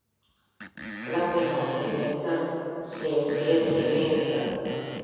கிழக்கை நோக்கி லெச்செர் ஸ்லேவ் ஏரி எல்லை இருக்கிறது.